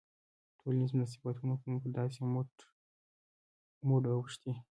ټولنیز مناسبتونه مو پر داسې موډ اوښتي.